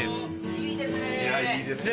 いいですね。